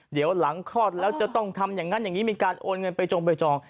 เดี๋ยวหลังคลอดแล้วจะต้องทำอย่างนั้นอย่างนี้มีการโอนเงินไปจงไปจอง